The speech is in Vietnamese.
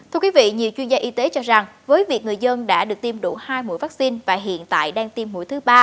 thưa quý vị nhiều chuyên gia y tế cho rằng với việc người dân đã được tiêm đủ hai mũi vaccine và hiện tại đang tiêm mũi thứ ba